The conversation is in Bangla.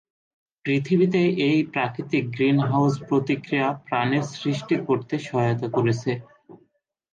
পৃথিবীতে এই প্রাকৃতিক গ্রিন হাউজ প্রতিক্রিয়া প্রাণের সৃষ্টি করতে সহায়তা করেছে।